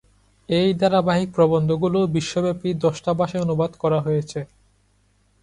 এই ধারাবাহিক প্রবন্ধগুলো বিশ্বব্যাপী দশটা ভাষায় অনুবাদ করা হয়েছে।